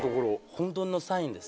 本当のサインです。